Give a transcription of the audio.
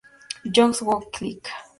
John's Wood Clique.